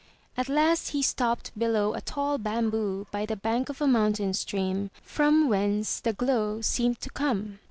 At last he stopped below a tall bamboo by the bank of a mountain stream, from whence the glow seemed to come.